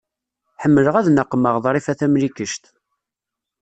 Ḥemmleɣ ad naqmeɣ Ḍrifa Tamlikect.